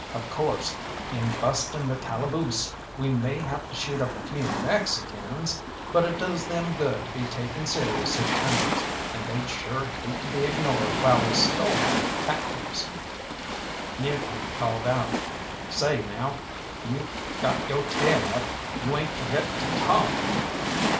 Of course, in busting the calaboose we may have to shoot up a few Mexicans but it does them good to be taken serious at times, and they'd sure hate to be ignored while we stole their captives." Mutiny called out, "Say, now you've got yo' tail up, you ain't forgetting to talk."